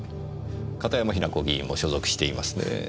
片山雛子議員も所属していますねぇ。